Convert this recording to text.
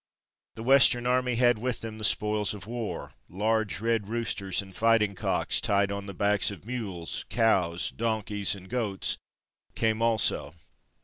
The Western Army had with them the spoils of war: large red roosters and fighting cocks, tied on to the backs of mules; cows, donkeys, and goats came also.